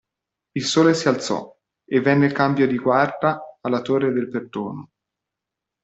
Il Sole si alzò, e venne il cambio di guarda alla Torre del Perdono.